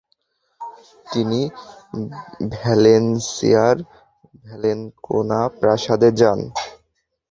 তিনি ভ্যালেন্সিয়ার ভ্যালেনকোনা প্রাসাদে যান।